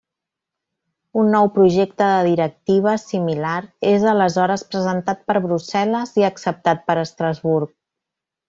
Un nou projecte de directiva, similar, és aleshores presentat per Brussel·les i acceptat per Estrasburg.